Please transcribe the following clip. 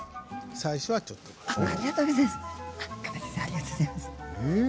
最初は、ちょっとね。